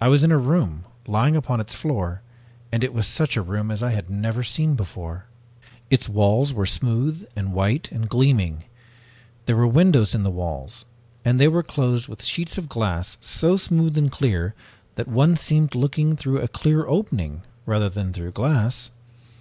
I was in a room, lying upon its floor, and it was such a room as I had never seen before. "Its walls were smooth and white and gleaming. There were windows in the walls, and they were closed with sheets of glass so smooth and clear that one seemed looking through a clear opening rather than through glass.